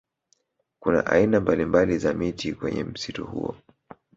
Kuna aina mbalimbali za miti kwenye msitu huo